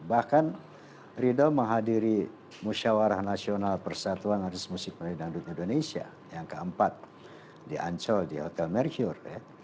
bahkan rido menghadiri musyawarah nasional persatuan aris musik melayu dan andut indonesia yang keempat di ancol di hotel merkur